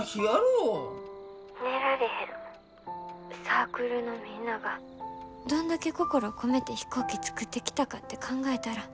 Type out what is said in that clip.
サークルのみんながどんだけ心込めて飛行機作ってきたかって考えたら。